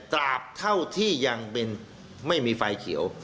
ตราบเท่าที่ยังเป็นไม่มีไฟเขียว